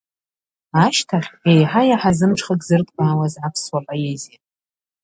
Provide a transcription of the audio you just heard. Ашьҭахь, еиҳа-еиҳа зымҽхак зырҭбаауаз аԥсуа поезиа.